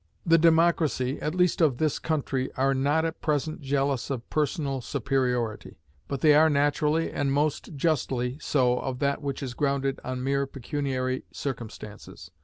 The democracy, at least of this country, are not at present jealous of personal superiority, but they are naturally and must justly so of that which is grounded on mere pecuniary circumstances.